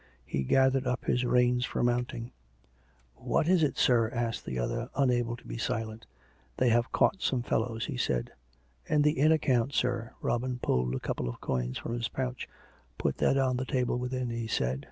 He gathered up his reins for mounting. COME RACK! COME ROPE! 289 "What is it, sir? " asked the other, unable to be silent. " They have caught some fellows," he said. " And the inn account, sir? " Robin pulled out a couple of coins from his pouch. " Put that on the table within," he said.